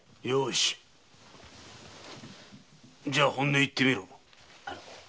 じゃ本音を言ってみろ。